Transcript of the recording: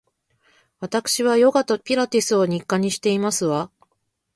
わたくしはヨガとピラティスを日課にしていますわ